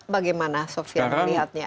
bagaimana sofya melihatnya